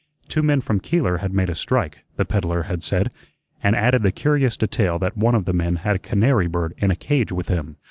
Two men from Keeler had made a strike, the peddler had said, and added the curious detail that one of the men had a canary bird in a cage with him.